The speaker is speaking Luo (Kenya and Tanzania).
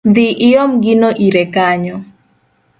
Dhi iom gino ire kanyo